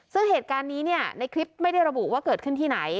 ซึ่งเหตุการณ์นี้เนี่ยในคลิปไม่ได้ระบุว่าเกิดขึ้นที่ไหน